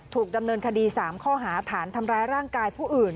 ถูกดำเนินคดี๓ข้อหาฐานทำร้ายร่างกายผู้อื่น